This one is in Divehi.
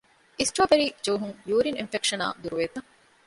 އިސްޓްރޯބެރީ ޖޫހުން ޔޫރިން އިންފެކްޝަނާ ދުރުވޭތަ؟